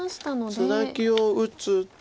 ツナギを打つと。